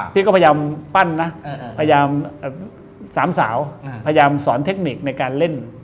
พี่ก็พยายามปั้นนะพยายามสามสาวพยายามสอนเทคนิคในการเล่น